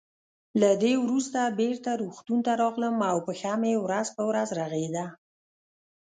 له دې وروسته بېرته روغتون ته راغلم او پښه مې ورځ په ورځ رغېده.